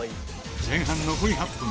前半残り８分